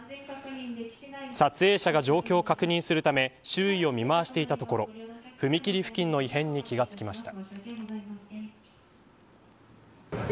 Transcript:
撮影者が状況を確認するため周囲を見回していたところ踏切付近の異変に気が付きました。